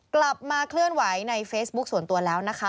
กลับมาเคลื่อนไหวในเฟซบุ๊คส่วนตัวแล้วนะคะ